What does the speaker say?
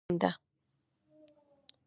نجلۍ د ژوند الهام ده.